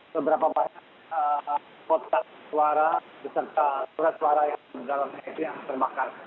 seberapa banyak kotak suara beserta surat suara yang terbakar